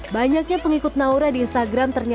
banyaknya pengikut naura di instagram ternyata